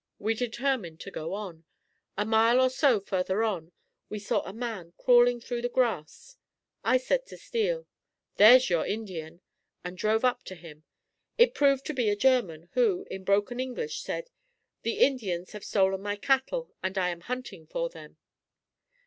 We determined to go on. A mile or so further on, we saw a man crawling through the grass. I said to Steele, "There's your Indian," and drove up to him. It proved to be a German who, in broken English said, "The Indians have stolen my cattle and I am hunting for them."